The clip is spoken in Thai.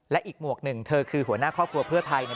และอีกหมวกหนึ่งเธอคือหัวหน้าครอบครัวเพื่อไทยเนี่ย